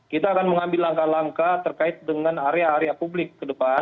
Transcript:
kita akan mengambil langkah langkah terkait dengan area area publik ke depan